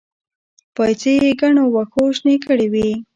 پايڅې يې ګڼو وښو شنې کړې وې.